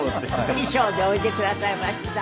衣装でおいでくださいました。